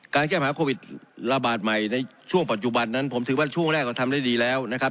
แก้ปัญหาโควิดระบาดใหม่ในช่วงปัจจุบันนั้นผมถือว่าช่วงแรกเราทำได้ดีแล้วนะครับ